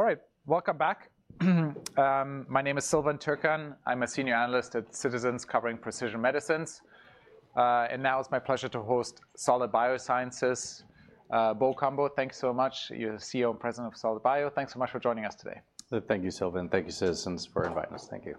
All right. Welcome back. My name is Sylvain Turkan. I'm a senior analyst at Citizens covering precision medicines. Now it's my pleasure to host Solid Biosciences. Bo Cumbo, thanks so much. You're the CEO and President of Solid Biosciences. Thanks so much for joining us today. Thank you, Sylvain. Thank you, Citizens, for inviting us. Thank you.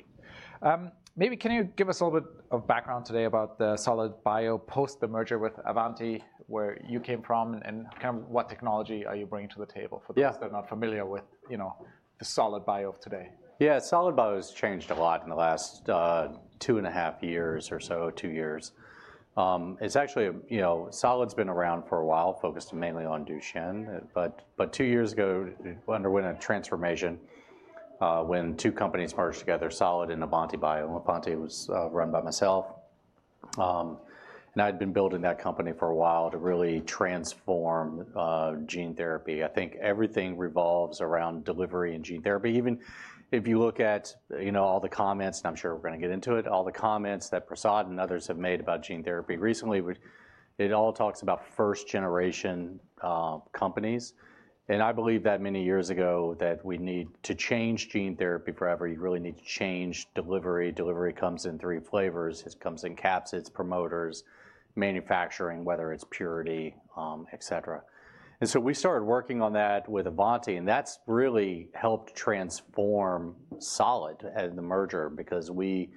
Maybe can you give us a little bit of background today about the Solid Biosciences post-merger with Avanti, where you came from, and kind of what technology are you bringing to the table for those that are not familiar with the Solid Biosciences of today? Yeah, Solid Bio has changed a lot in the last two and a half years or so, two years. It's actually Solid's been around for a while, focused mainly on Duchenne. But two years ago, it underwent a transformation when two companies merged together, Solid and Avanti Bio. Avanti was run by myself. And I'd been building that company for a while to really transform gene therapy. I think everything revolves around delivery and gene therapy. Even if you look at all the comments, and I'm sure we're going to get into it, all the comments that Prasad and others have made about gene therapy recently, it all talks about first-generation companies. I believe that many years ago that we need to change gene therapy forever. You really need to change delivery. Delivery comes in three flavors. It comes in capsids, promoters, manufacturing, whether it's purity, et cetera. We started working on that with Avanti. That really helped transform Solid at the merger because we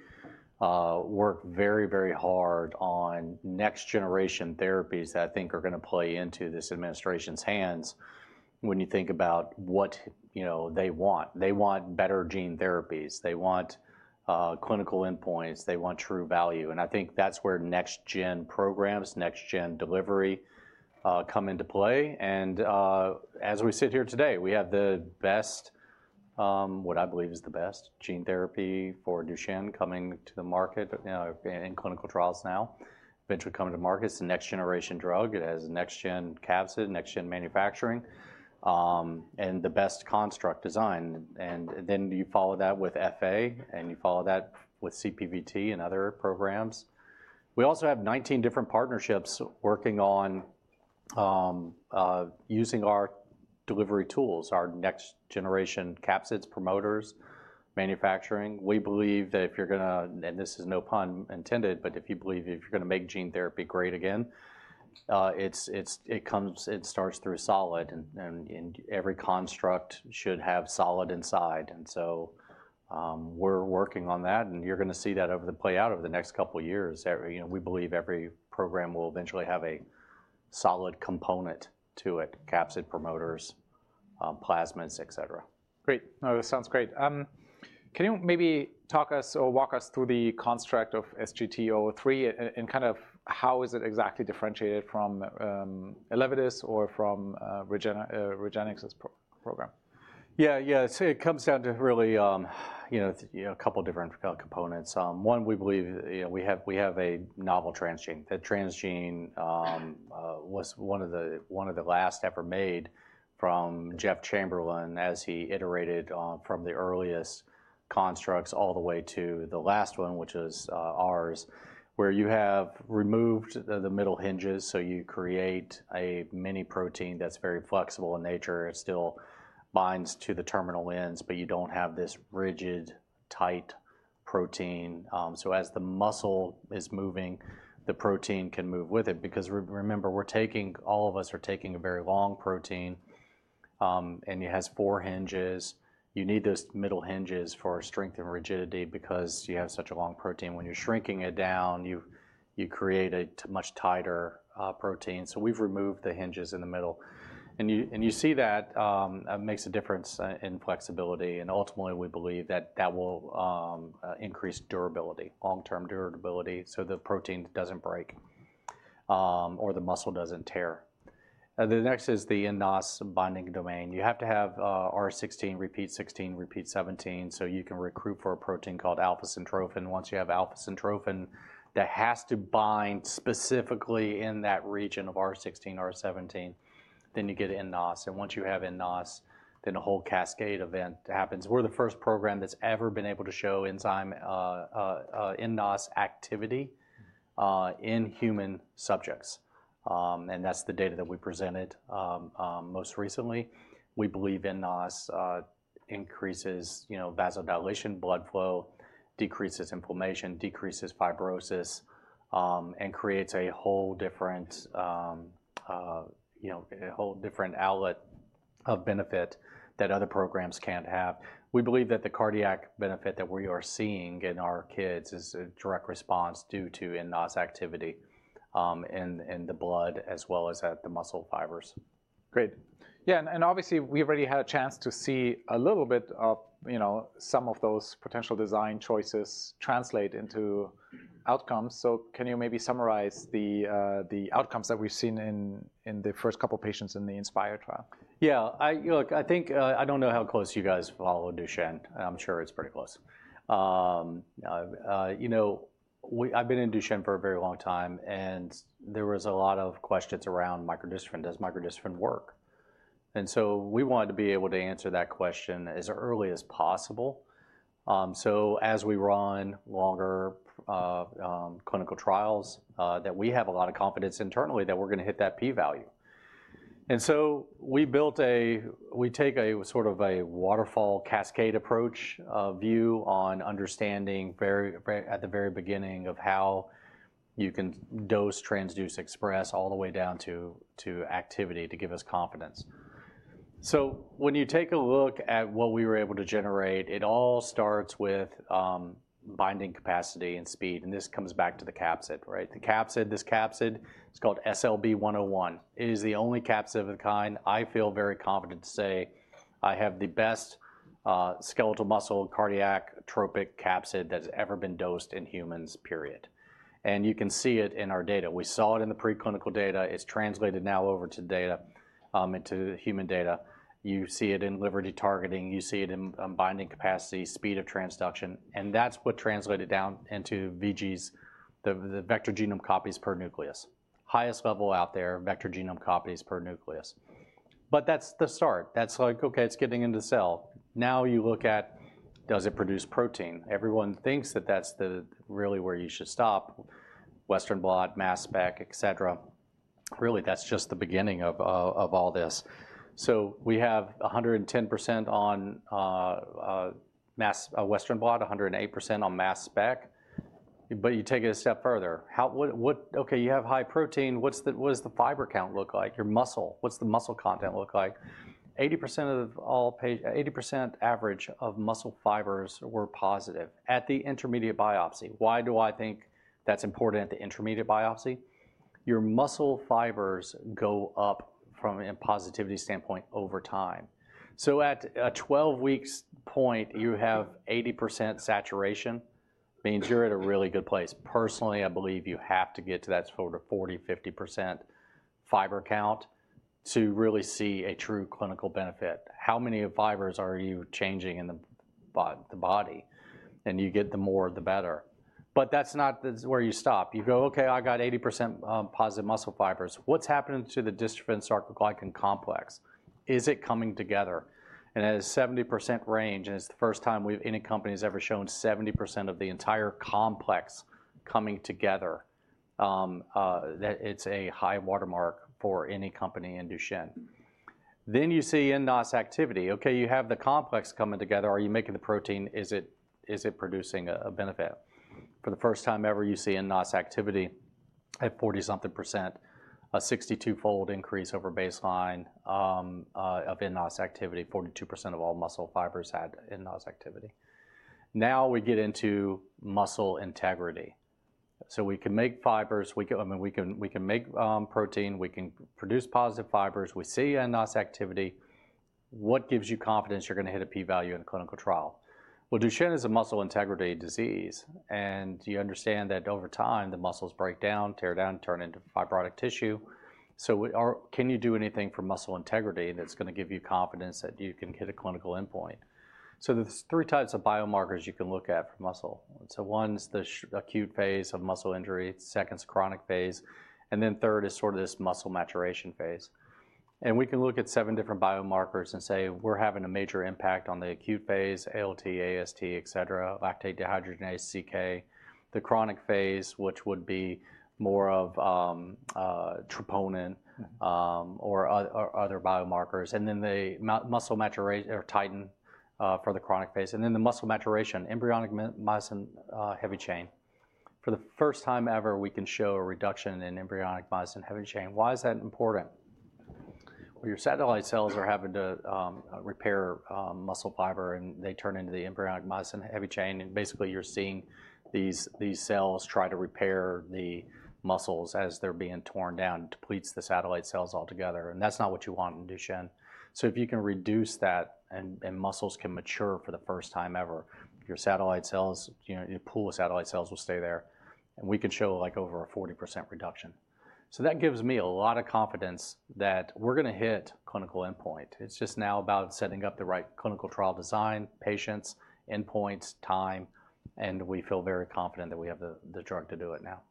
work very, very hard on next-generation therapies that I think are going to play into this administration's hands when you think about what they want. They want better gene therapies. They want clinical endpoints. They want true value. I think that's where next-gen programs, next-gen delivery come into play. As we sit here today, we have what I believe is the best gene therapy for Duchenne coming to the market in clinical trials now, eventually coming to market. It's a next-generation drug. It has next-gen capsid, next-gen manufacturing, and the best construct design. You follow that with FA, and you follow that with CPVT and other programs. We also have 19 different partnerships working on using our delivery tools, our next-generation capsids, promoters, manufacturing. We believe that if you're going to, and this is no pun intended, but if you believe if you're going to make gene therapy great again, it starts through Solid. Every construct should have Solid inside. We're working on that. You're going to see that play out over the next couple of years. We believe every program will eventually have a Solid component to it: capsid, promoters, plasmids, et cetera. Great. No, that sounds great. Can you maybe talk us or walk us through the construct of SGT-003 and kind of how is it exactly differentiated from ELEVIDYS or from REGENXBIO's program? Yeah, yeah. It comes down to really a couple of different components. One, we believe we have a novel transgene. That transgene was one of the last ever made from Jeff Chamberlain as he iterated from the earliest constructs all the way to the last one, which is ours, where you have removed the middle hinges. You create a mini protein that's very flexible in nature. It still binds to the terminal ends, but you do not have this rigid, tight protein. As the muscle is moving, the protein can move with it. Because remember, all of us are taking a very long protein, and it has four hinges. You need those middle hinges for strength and rigidity because you have such a long protein. When you are shrinking it down, you create a much tighter protein. We have removed the hinges in the middle. You see that makes a difference in flexibility. Ultimately, we believe that will increase durability, long-term durability, so the protein does not break or the muscle does not tear. The next is the in-os binding domain. You have to have R16, repeat 16, repeat 17, so you can recruit for a protein called alpha-syntrophin. Once you have alpha-syntrophin, that has to bind specifically in that region of R16, R17, then you get in-os. Once you have in-os, then a whole cascade event happens. We are the first program that has ever been able to show enzyme in-os activity in human subjects. That is the data that we presented most recently. We believe in-os increases vasodilation, blood flow, decreases inflammation, decreases fibrosis, and creates a whole different outlet of benefit that other programs cannot have. We believe that the cardiac benefit that we are seeing in our kids is a direct response due to in-os activity in the blood as well as at the muscle fibers. Great. Yeah. Obviously, we already had a chance to see a little bit of some of those potential design choices translate into outcomes. Can you maybe summarize the outcomes that we've seen in the first couple of patients in the INSPIRE trial? Yeah. Look, I think I don't know how close you guys follow Duchenne. I'm sure it's pretty close. I've been in Duchenne for a very long time. There was a lot of questions around microdystrophin. Does microdystrophin work? We wanted to be able to answer that question as early as possible. As we run longer clinical trials, we have a lot of confidence internally that we're going to hit that p-value. We take a sort of a waterfall cascade approach view on understanding at the very beginning of how you can dose, transduce, express all the way down to activity to give us confidence. When you take a look at what we were able to generate, it all starts with binding capacity and speed. This comes back to the capsid, right? This capsid is called AAV-SLB101. It is the only capsid of the kind I feel very confident to say I have the best skeletal muscle cardiac tropic capsid that has ever been dosed in humans, period. You can see it in our data. We saw it in the preclinical data. It has translated now over to data, into human data. You see it in liver targeting. You see it in binding capacity, speed of transduction. That is what translated down into VGs, the vector genome copies per nucleus. Highest level out there, vector genome copies per nucleus. That is the start. That is like, OK, it is getting into the cell. Now you look at, does it produce protein? Everyone thinks that is really where you should stop: Western blot, mass spec, et cetera. Really, that is just the beginning of all this. We have 110% on Western blot, 108% on mass spec. You take it a step further. OK, you have high protein. What does the fiber count look like? Your muscle, what's the muscle content look like? 80% of all, 80% average of muscle fibers were positive at the intermediate biopsy. Why do I think that's important at the intermediate biopsy? Your muscle fibers go up from a positivity standpoint over time. At a 12-week point, you have 80% saturation, means you're at a really good place. Personally, I believe you have to get to that sort of 40%-50% fiber count to really see a true clinical benefit. How many fibers are you changing in the body? You get the more, the better. That's not where you stop. You go, OK, I got 80% positive muscle fibers. What's happening to the dystrophin sarcoglycan complex? Is it coming together? At a 70% range, and it's the first time any company has ever shown 70% of the entire complex coming together, that it's a high watermark for any company in Duchenne. You see in-os activity. OK, you have the complex coming together. Are you making the protein? Is it producing a benefit? For the first time ever, you see in-os activity at 40-something %, a 62-fold increase over baseline of in-os activity, 42% of all muscle fibers had in-os activity. Now we get into muscle integrity. We can make fibers. I mean, we can make protein. We can produce positive fibers. We see in-os activity. What gives you confidence you're going to hit a p-value in a clinical trial? Duchenne is a muscle integrity disease. You understand that over time, the muscles break down, tear down, turn into fibrotic tissue. Can you do anything for muscle integrity that's going to give you confidence that you can hit a clinical endpoint? There are three types of biomarkers you can look at for muscle. One is the acute phase of muscle injury. Second is chronic phase. Third is sort of this muscle maturation phase. We can look at seven different biomarkers and say we're having a major impact on the acute phase: ALT, AST, lactate dehydrogenase, CK. The chronic phase would be more of troponin or other biomarkers. The muscle maturation or titin for the chronic phase. The muscle maturation, embryonic myosin heavy chain. For the first time ever, we can show a reduction in embryonic myosin heavy chain. Why is that important? Your satellite cells are having to repair muscle fiber, and they turn into the embryonic myosin heavy chain. Basically, you're seeing these cells try to repair the muscles as they're being torn down. It depletes the satellite cells altogether. That's not what you want in DMD. If you can reduce that and muscles can mature for the first time ever, your satellite cells, your pool of satellite cells will stay there. We can show like over a 40% reduction. That gives me a lot of confidence that we're going to hit clinical endpoint. It's just now about setting up the right clinical trial design, patients, endpoints, time. We feel very confident that we have the drug to do it now.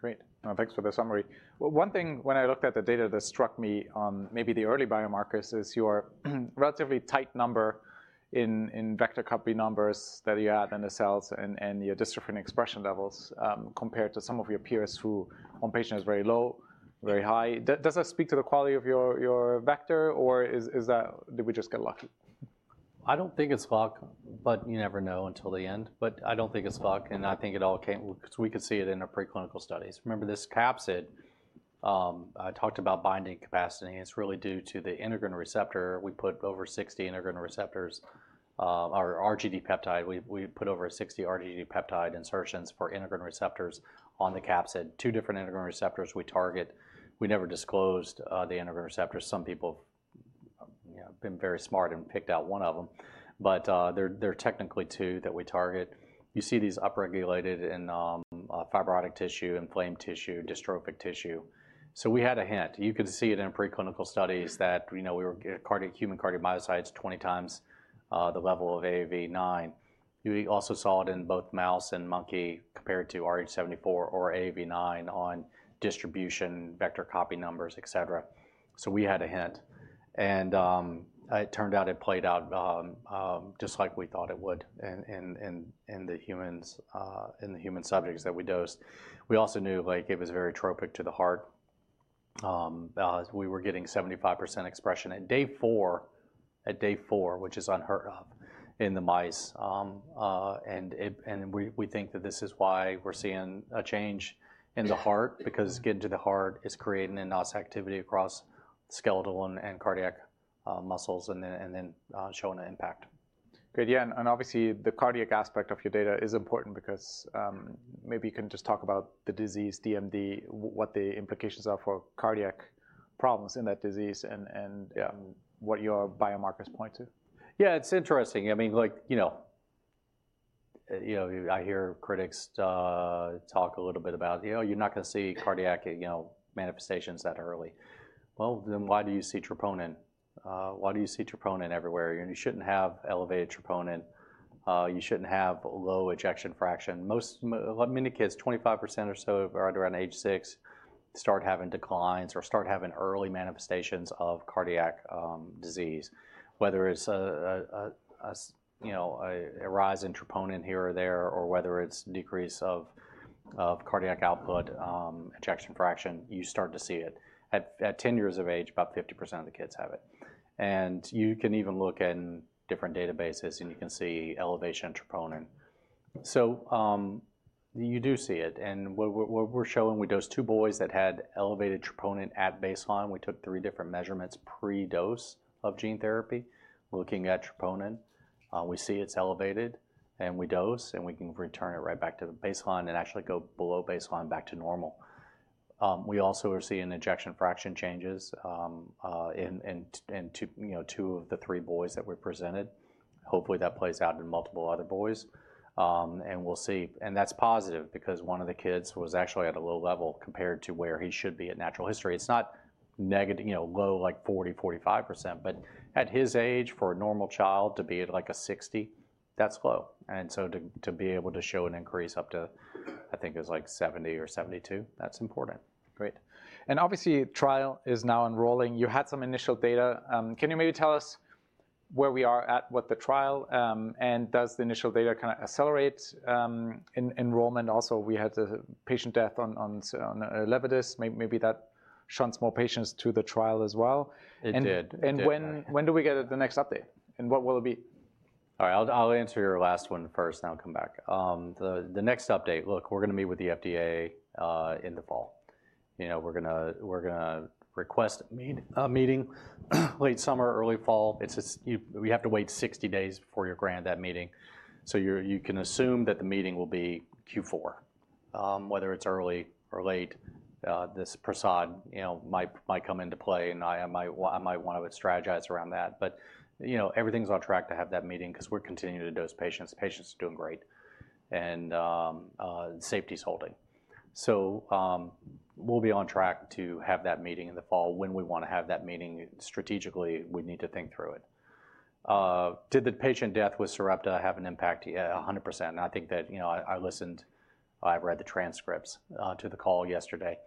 Great. Thanks for the summary. One thing, when I looked at the data that struck me on maybe the early biomarkers is your relatively tight number in vector copy numbers that you have in the cells and your dystrophin expression levels compared to some of your peers who on patient is very low, very high. Does that speak to the quality of your vector, or did we just get lucky? I don't think it's luck, but you never know until the end. I don't think it's luck. I think it all came because we could see it in our preclinical studies. Remember this capsid, I talked about binding capacity. It's really due to the integrin receptor. We put over 60 integrin receptors, our RGD peptide. We put over 60 RGD peptide insertions for integrin receptors on the capsid. Two different integrin receptors we target. We never disclosed the integrin receptors. Some people have been very smart and picked out one of them. There are technically two that we target. You see these upregulated in fibrotic tissue, inflamed tissue, dystrophic tissue. We had a hint. You could see it in preclinical studies that we were human cardiomyocytes 20 times the level of AAV9. We also saw it in both mouse and monkey compared to RH74 or AAV9 on distribution, vector copy numbers, et cetera. We had a hint. It turned out it played out just like we thought it would in the human subjects that we dosed. We also knew it was very tropic to the heart. We were getting 75% expression at day four, which is unheard of in the mice. We think that this is why we are seeing a change in the heart because getting to the heart is creating in-os activity across skeletal and cardiac muscles and then showing an impact. Great. Yeah. Obviously, the cardiac aspect of your data is important because maybe you can just talk about the disease, DMD, what the implications are for cardiac problems in that disease and what your biomarkers point to. Yeah, it's interesting. I mean, I hear critics talk a little bit about, you're not going to see cardiac manifestations that early. Why do you see troponin? Why do you see troponin everywhere? You shouldn't have elevated troponin. You shouldn't have low ejection fraction. Many kids, 25% or so are at around age 6. Start having declines or start having early manifestations of cardiac disease, whether it's a rise in troponin here or there, or whether it's a decrease of cardiac output, ejection fraction, you start to see it. At 10 years of age, about 50% of the kids have it. You can even look in different databases, and you can see elevation of troponin. You do see it. What we're showing, we dosed two boys that had elevated troponin at baseline. We took three different measurements pre-dose of gene therapy looking at troponin. We see it's elevated, and we dose, and we can return it right back to baseline and actually go below baseline back to normal. We also are seeing ejection fraction changes in two of the three boys that were presented. Hopefully, that plays out in multiple other boys. We'll see. That's positive because one of the kids was actually at a low level compared to where he should be at natural history. It's not low, like 40%, 45%. At his age, for a normal child to be at like 60%, that's low. To be able to show an increase up to, I think it was like 70% or 72%, that's important. Great. Obviously, the trial is now enrolling. You had some initial data. Can you maybe tell us where we are at with the trial? Does the initial data kind of accelerate enrollment? Also, we had the patient death on ELEVIDYS. Maybe that shuns more patients to the trial as well. It did. When do we get the next update? And what will it be? All right. I'll answer your last one first, and I'll come back. The next update, look, we're going to meet with the FDA in the fall. We're going to request a meeting late summer, early fall. We have to wait 60 days before you grant that meeting. You can assume that the meeting will be Q4. Whether it's early or late, this Prasad might come into play. I might want to strategize around that. Everything's on track to have that meeting because we're continuing to dose patients. Patients are doing great. Safety is holding. We'll be on track to have that meeting in the fall. When we want to have that meeting, strategically, we need to think through it. Did the patient death with Sarepta have an impact? Yeah, 100%. I think that I listened, I read the transcripts to the call yesterday.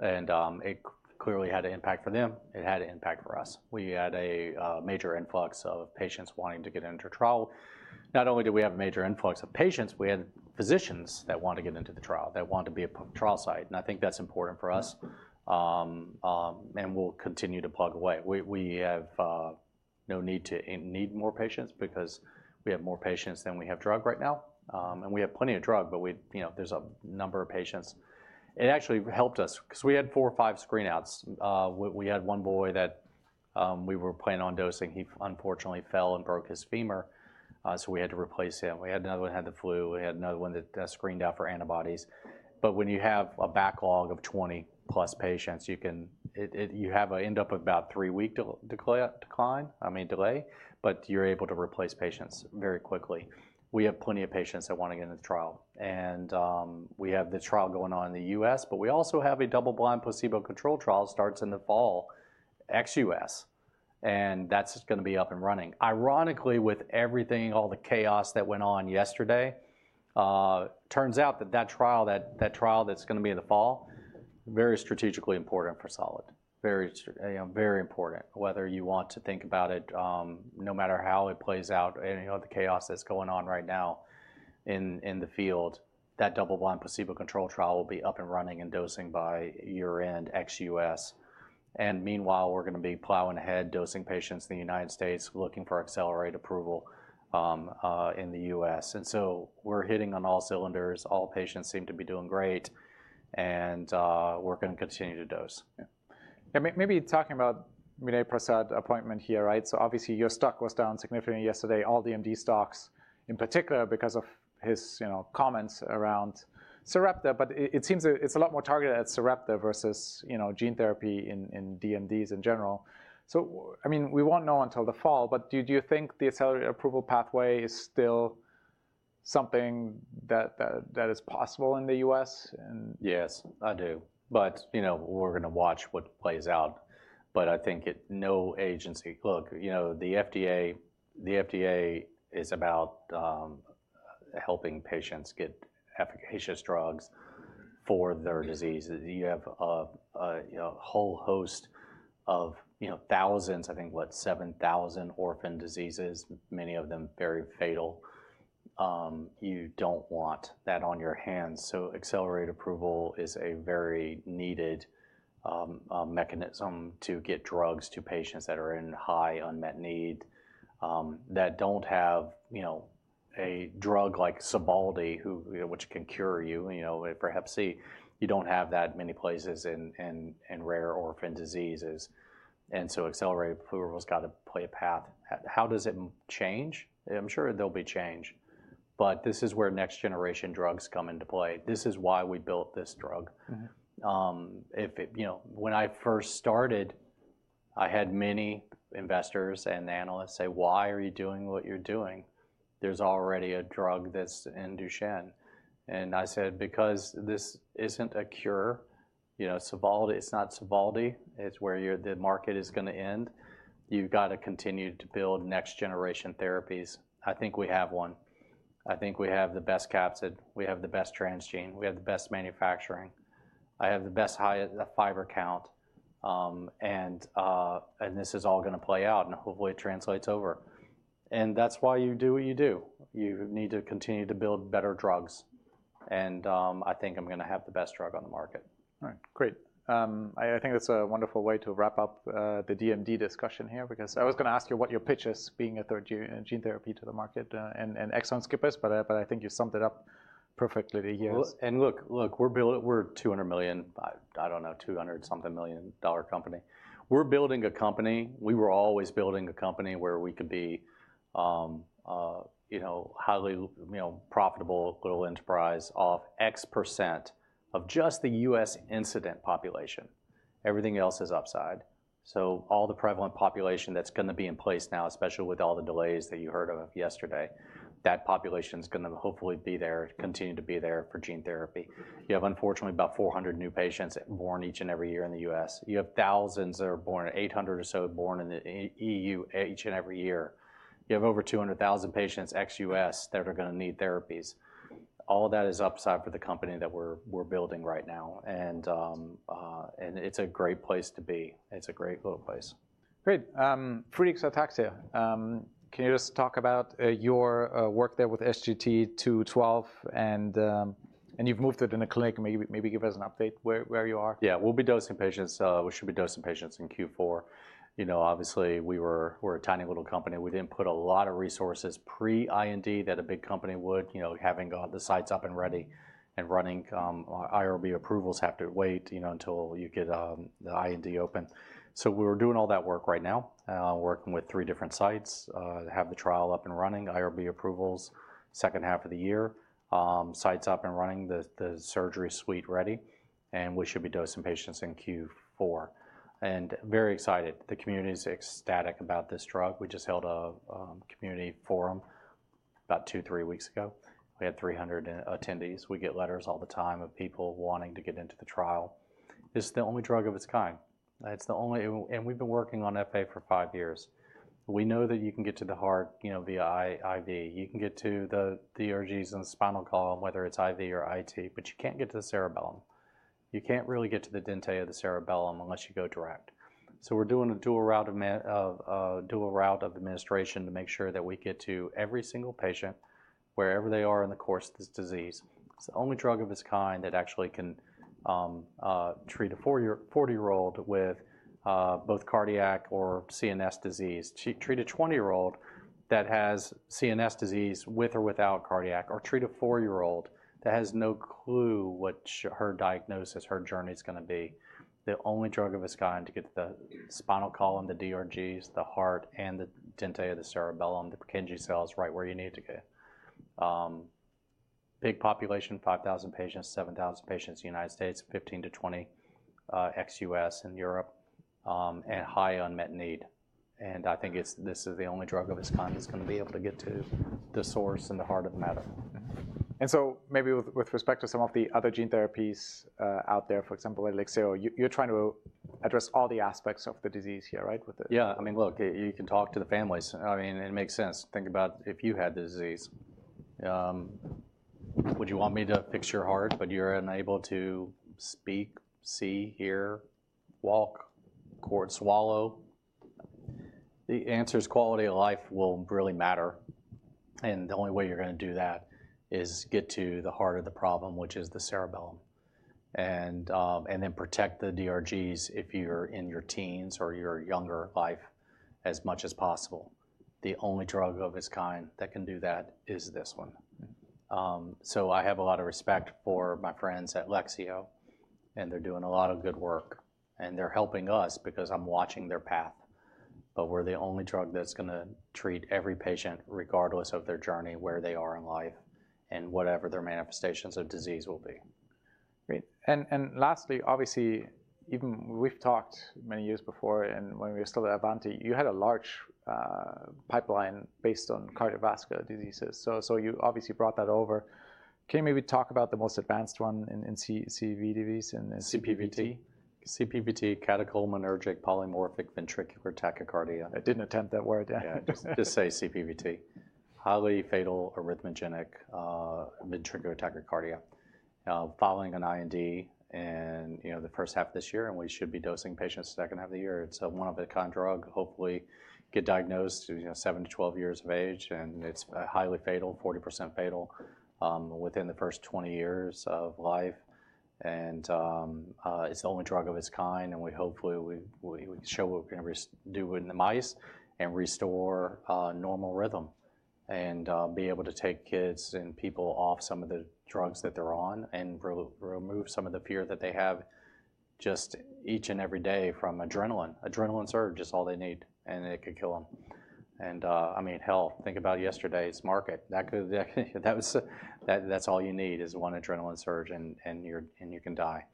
It clearly had an impact for them. It had an impact for us. We had a major influx of patients wanting to get into trial. Not only did we have a major influx of patients, we had physicians that wanted to get into the trial, that wanted to be a trial site. I think that's important for us. We'll continue to plug away. We have no need to need more patients because we have more patients than we have drug right now. We have plenty of drug, but there's a number of patients. It actually helped us because we had four or five screenouts. We had one boy that we were planning on dosing. He unfortunately fell and broke his femur. We had to replace him. We had another one who had the flu. We had another one that screened out for antibodies. When you have a backlog of 20-plus patients, you end up with about a three-week delay. I mean, delay. You are able to replace patients very quickly. We have plenty of patients that want to get into the trial. We have the trial going on in the U.S. We also have a double-blind placebo-controlled trial that starts in the fall, ex-U.S. That is going to be up and running. Ironically, with everything, all the chaos that went on yesterday, it turns out that that trial that is going to be in the fall is very strategically important for Solid. Very important, whether you want to think about it. No matter how it plays out, the chaos that is going on right now in the field, that double-blind placebo-controlled trial will be up and running and dosing by year-end, ex-U.S. Meanwhile, we're going to be plowing ahead, dosing patients in the U.S., looking for accelerated approval in the U.S. We're hitting on all cylinders. All patients seem to be doing great. We're going to continue to dose. Yeah. Maybe talking about Prasad's appointment here, right? Obviously, your stock was down significantly yesterday. All DMD stocks, in particular, because of his comments around Sarepta. It seems it's a lot more targeted at Sarepta versus gene therapy in DMDs in general. I mean, we won't know until the fall. Do you think the accelerated approval pathway is still something that is possible in the U.S.? Yes, I do. But we're going to watch what plays out. But I think no agency, look, the FDA is about helping patients get efficacious drugs for their diseases. You have a whole host of thousands, I think, what, 7,000 orphan diseases, many of them very fatal. You don't want that on your hands. So accelerated approval is a very needed mechanism to get drugs to patients that are in high unmet need, that don't have a drug like Cybaldi, which can cure you. Perhaps you don't have that many places in rare orphan diseases. And so accelerated approval has got to play a path. How does it change? I'm sure there'll be change. But this is where next-generation drugs come into play. This is why we built this drug. When I first started, I had many investors and analysts say, why are you doing what you're doing? There's already a drug that's in Duchenne. I said, because this isn't a cure. It's not ELEVIDYS. It's where the market is going to end. You have to continue to build next-generation therapies. I think we have one. I think we have the best capsid. We have the best transgene. We have the best manufacturing. I have the best fiber count. This is all going to play out. Hopefully, it translates over. That is why you do what you do. You need to continue to build better drugs. I think I'm going to have the best drug on the market. All right. Great. I think that's a wonderful way to wrap up the DMD discussion here because I was going to ask you what your pitch is being a third-gen gene therapy to the market and excellent skippers. I think you summed it up perfectly here. Look, we're a $200 million, I don't know, $200-something million dollar company. We're building a company. We were always building a company where we could be a highly profitable little enterprise off X% of just the U.S. incident population. Everything else is upside. All the prevalent population that's going to be in place now, especially with all the delays that you heard of yesterday, that population is going to hopefully continue to be there for gene therapy. You have, unfortunately, about 400 new patients born each and every year in the U.S. You have thousands that are born, 800 or so born in the EU each and every year. You have over 200,000 patients ex-U.S. that are going to need therapies. All of that is upside for the company that we're building right now. It's a great place to be. It's a great little place. Great. Friedreich's ataxia, can you just talk about your work there with SGT-212? And you've moved it in a clinic. Maybe give us an update where you are. Yeah. We'll be dosing patients. We should be dosing patients in Q4. Obviously, we're a tiny little company. We didn't put a lot of resources pre-IND that a big company would, having got the sites up and ready and running. IRB approvals have to wait until you get the IND open. We are doing all that work right now, working with three different sites, have the trial up and running, IRB approvals, second half of the year, sites up and running, the surgery suite ready. We should be dosing patients in Q4. Very excited. The community is ecstatic about this drug. We just held a community forum about two, three weeks ago. We had 300 attendees. We get letters all the time of people wanting to get into the trial. This is the only drug of its kind. We have been working on FA for five years. We know that you can get to the heart via IV. You can get to the DRGs in the spinal column, whether it's IV or IT. You can't get to the cerebellum. You can't really get to the dente of the cerebellum unless you go direct. We are doing a dual route of administration to make sure that we get to every single patient, wherever they are in the course of this disease. It's the only drug of its kind that actually can treat a 40-year-old with both cardiac or CNS disease, treat a 20-year-old that has CNS disease with or without cardiac, or treat a 4-year-old that has no clue what her diagnosis, her journey is going to be. The only drug of its kind to get to the spinal column, the DRGs, the heart, and the dentate of the cerebellum, the McKinsey cells, right where you need to go. Big population, 5,000 patients, 7,000 patients in the United States, 15,000-20,000 ex-U.S. and Europe, and high unmet need. I think this is the only drug of its kind that's going to be able to get to the source and the heart of the matter. Maybe with respect to some of the other gene therapies out there, for example, ELEVIDYS, you're trying to address all the aspects of the disease here, right? Yeah. I mean, look, you can talk to the families. I mean, it makes sense. Think about if you had the disease. Would you want me to fix your heart, but you're unable to speak, see, hear, walk, swallow? The answer is quality of life will really matter. The only way you're going to do that is get to the heart of the problem, which is the cerebellum. Then protect the DRGs if you're in your teens or your younger life as much as possible. The only drug of its kind that can do that is this one. I have a lot of respect for my friends at Lexeo. They're doing a lot of good work. They're helping us because I'm watching their path. We're the only drug that's going to treat every patient, regardless of their journey, where they are in life, and whatever their manifestations of disease will be. Great. Lastly, obviously, even we've talked many years before. When we were still at Avanti, you had a large pipeline based on cardiovascular diseases. You obviously brought that over. Can you maybe talk about the most advanced one in CVDs? CPVT. CPVT, catecholaminergic polymorphic ventricular tachycardia. I didn't attempt that word. Yeah. Just say CPVT. Highly fatal arrhythmogenic ventricular tachycardia following an IND in the first half of this year. We should be dosing patients the second half of the year. It's a one-of-a-kind drug. Hopefully, get diagnosed 7-12 years of age. It's highly fatal, 40% fatal within the first 20 years of life. It's the only drug of its kind. Hopefully, we can show what we're going to do in the mice and restore normal rhythm and be able to take kids and people off some of the drugs that they're on and remove some of the fear that they have just each and every day from adrenaline. Adrenaline surge, that's all they need. It could kill them. I mean, hell, think about yesterday's market. That's all you need is one adrenaline surge, and you can die.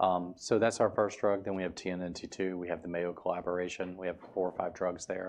That's our first drug. We have TNNT2. We have the Mayo collaboration. We have four or five drugs there.